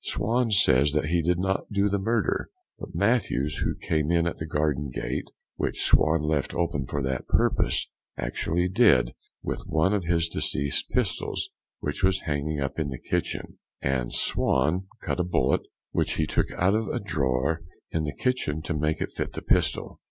Swan says that he did not do the murder, but that Mathews, who came in at the garden gate, which Swan left open for that purpose, actually did, with one of the deceased's pistols, which was hanging up in the kitchen; and Swan cut a bullet, which he took out of a draw in the kitchen to make it fit the pistol.